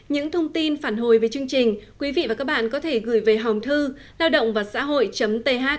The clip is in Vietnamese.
những thông tin phản hồi về chương trình quý vị và các bạn có thể gửi về hồng thư laodongvasahoi th